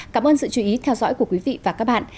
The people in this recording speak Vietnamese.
cảm ơn sự chú ý theo dõi của quý vị và các bạn